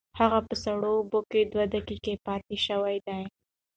هغه په سړو اوبو کې دوه دقیقې پاتې شوې ده.